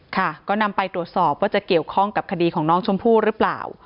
ค่ะก็นำไปตรวจสอบว่าจะเกี่ยวข้องกับคดีของน้องชมพู่หรือเปล่า